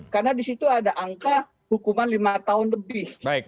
karena di situ ada angka hukuman lima tahun lebih